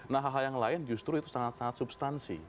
nah hal hal yang lain justru itu sangat sangat substansi